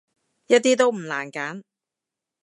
一啲都唔難揀